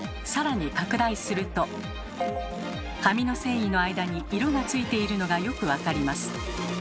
更に拡大すると紙の繊維の間に色がついているのがよく分かります。